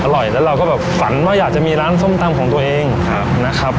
อร่อยแล้วเราก็แบบฝันว่าอยากจะมีร้านส้มตำของตัวเองนะครับ